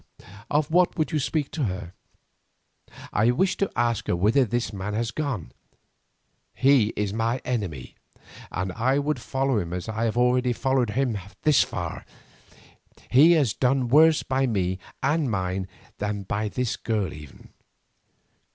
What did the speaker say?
Of what would you speak to her?" "I wish to ask her whither this man has gone. He is my enemy, and I would follow him as I have already followed him far. He has done worse by me and mine than by this poor girl even.